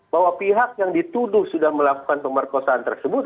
bahwa pihak yang dituduh sudah melakukan pemerkosaan tersebut